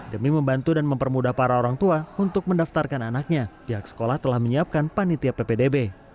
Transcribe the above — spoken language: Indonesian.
demi membantu dan mempermudah para orang tua untuk mendaftarkan anaknya pihak sekolah telah menyiapkan panitia ppdb